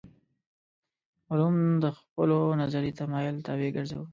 علوم د خپلو نظري تمایل طابع ګرځوو.